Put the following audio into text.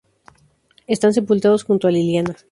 Están sepultados junto a Liliana.